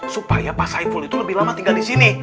supaya pak saiful itu lebih lama tinggal disini